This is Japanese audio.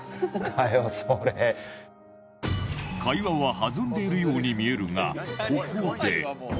会話は弾んでいるように見えるがここで